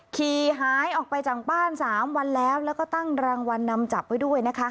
ขี่หายออกไปจากบ้าน๓วันแล้วแล้วก็ตั้งรางวัลนำจับไว้ด้วยนะคะ